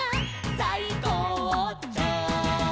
「さいこうちょう」